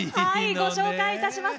ご紹介いたします。